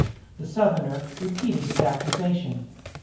The Southerner repeated his accusation.